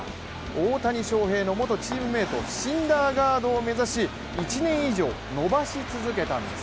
大谷翔平の元チームメイト、シンダーガードを目指し１年以上、伸ばし続けたんです。